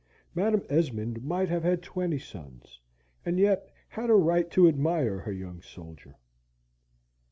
Madam Esmond might have had twenty sons, and yet had a right to admire her young soldier.